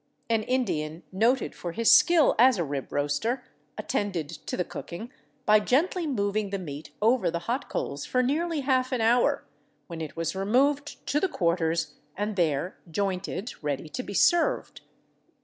An Indian noted for his skill as a rib roaster attended to the cooking by gently moving the meat over the hot coals for nearly half an hour, when it was removed to the quarters and there jointed ready to be served.